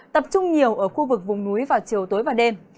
tập trung nhiều ở khu vực vùng núi vào chiều tối và đêm